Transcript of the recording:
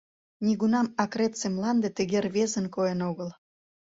Нигунам акретсе мланде тыге рвезын койын огыл.